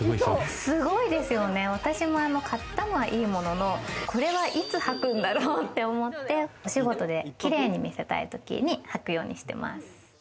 私も買ったのはいいものの、これは、いつ履くんだろうって思って、お仕事で綺麗に見せたいときに履くようにしています。